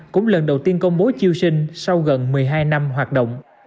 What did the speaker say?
cũng lần đầu tiên công bố chiêu sinh sau gần một mươi hai năm hoạt động